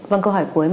vâng câu hỏi cuối